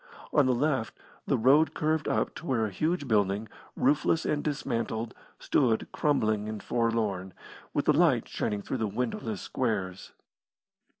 On the left the road curved up to where a huge building, roofless and dismantled, stood crumbling and forlorn, with the light shining through the windowless squares.